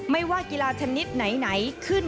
ไม่ว่ากีฬาชนิดไหนขึ้น